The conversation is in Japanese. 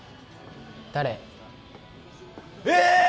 誰？